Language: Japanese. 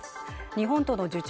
日本との受注